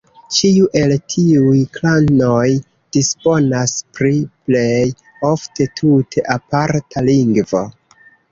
Ĉiu el tiuj klanoj disponas pri plej ofte tute aparta lingvo.